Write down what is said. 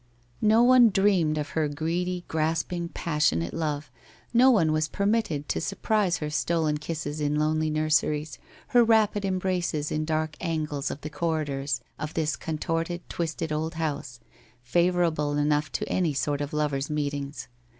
No one dreamed of her greedy, grasping, passionate love; no one was permitted to surprise her stolen kisses in lonely nurseries, her rapid embraces in dark angles of the corridors of this contorted, twisted old house, favour able enough to any sort of lovers' meetings.